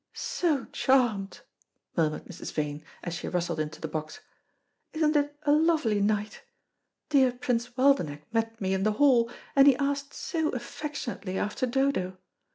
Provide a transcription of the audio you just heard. "So charmed,", murmured Mrs. Vane, as she rustled into the box. "Isn't it a lovely night? Dear Prince Waldenech met me in the hall, and he asked so affectionately after Dodo.